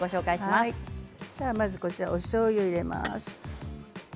まずおしょうゆを入れます。